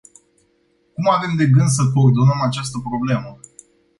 Cum avem de gând să coordonăm această problemă?